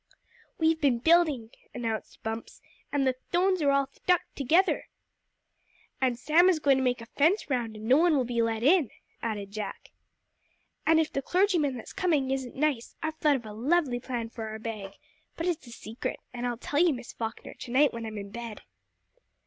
"We've been building," announced Bumps, "and the thtones are all thtucked together!" "And Sam is going to make a fence round, and no one will be let in!" added Jack: "And if the clergyman that's coming isn't nice, I've thought of a lovely plan for our bag; but it's a secret, and I'll tell you, Miss Falkner, to night when I'm in bed!"